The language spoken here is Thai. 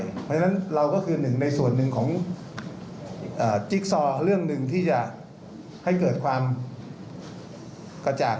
เพราะฉะนั้นเราก็คือหนึ่งในส่วนหนึ่งของจิ๊กซอเรื่องหนึ่งที่จะให้เกิดความกระจ่าง